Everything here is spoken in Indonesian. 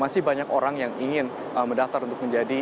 masih banyak orang yang ingin mendaftar untuk menjadi